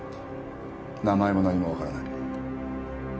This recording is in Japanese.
名前も何も分からない